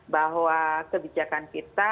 bahwa kebijakan kita